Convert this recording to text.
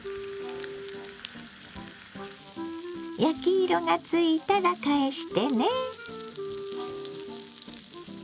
焼き色がついたら返してね。